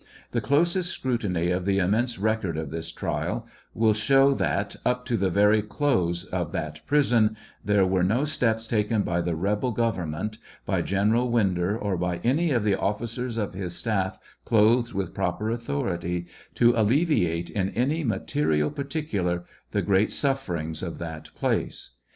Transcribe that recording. The closest scrutiny of the immense record of this trial will show that, up to the very close of that prison, there were no steps taken by the rebel government, by General Winder, or by any of the officers of his staff clothed with proper authority, to alleviate in any material particular the great sufferings of that place.